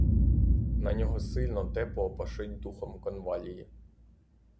На нього сильно, тепло пашить духом конвалії.